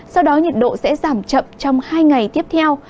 sau đó nhiệt độ sẽ giảm chậm trong hai ngày tiếp theo